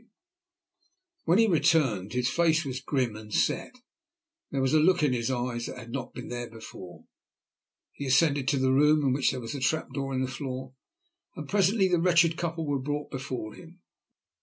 he confronted them."] When he returned his face was grim and set, and there was a look in his eyes that had not been there before. He ascended to the room in which there was the trap door in the floor, and presently the wretched couple were brought before him.